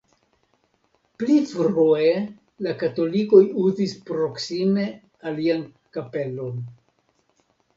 Pli frue la katolikoj uzis proksime alian kapelon.